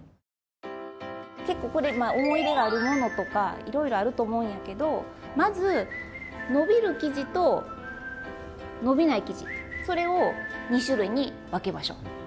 結構これ思い入れのあるものとかいろいろあると思うんやけどまず伸びる生地と伸びない生地それを２種類に分けましょう。